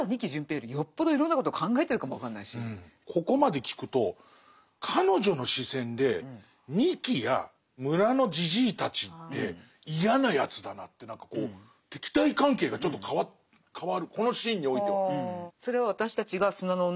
ここまで聞くと彼女の視線で仁木や村のじじいたちって嫌なやつだなって何かこう敵対関係がちょっと変わるこのシーンにおいては。